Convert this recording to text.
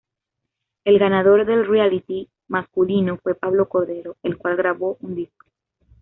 El ganador del reality masculino fue Pablo Cordero, el cual grabó un disco.